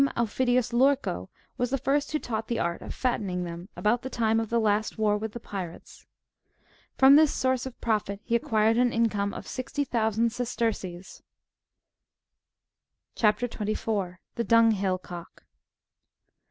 Aufidius Lurco^^ was the first who taught the art of fattening them, about the time of the last war with the Pirates. Prom this source of profit he acquired an income of sixty thousand sesterces.''^ CHAP. 24. (21.) — THE DUNGHILL COCK.